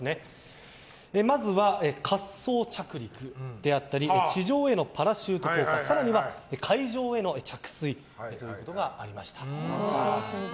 まずは滑走着陸であったり地上へのパラシュート降下更には海上への着水などがありました。